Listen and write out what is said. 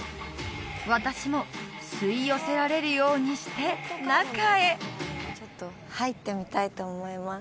私も吸い寄せられるようにして中へちょっと入ってみたいと思います